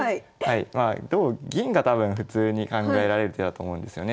まあ同銀が多分普通に考えられる手だと思うんですよね。